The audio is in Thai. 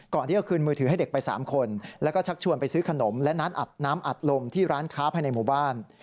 ก่อนที่จะคืนมือถือให้เด็กไป๓คนแล้วก็ชักชวนไปซื้อขนมและร้านอัดน้ำอัดลมที่ร้านค้าภายในหมู่บ้าน